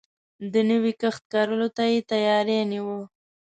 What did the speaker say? د نوی کښت کرلو ته يې تياری نيوه.